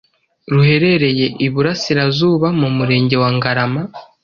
ruherereye iburasirasuba, mu murenge wa Ngarama,